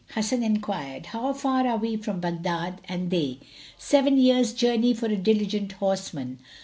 Hasan enquired, "How far are we from Baghdad?" and they, "Seven years' journey for a diligent horseman."